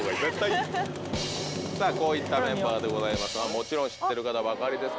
さぁこういったメンバーでございますがもちろん知ってる方ばかりですけども。